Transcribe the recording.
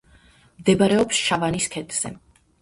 მდებარეობს შავანის ქედზე.